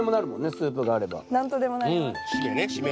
スープがあれば何とでもなります